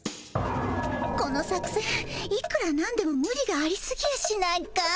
この作せんいくらなんでもムリがありすぎやしないかい？